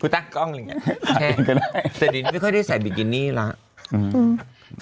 แต่ดินไม่ค่อยได้ใส่บิกกินนี่แล้ว